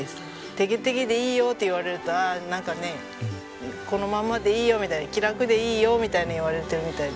てげてげでいいよって言われるとなんかねこのままでいいよみたいな気楽でいいよみたいに言われてるみたいで。